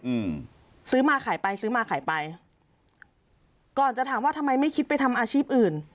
อืมซื้อมาขายไปซื้อมาขายไปก่อนจะถามว่าทำไมไม่คิดไปทำอาชีพอื่น